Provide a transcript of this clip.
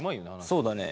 そうだね。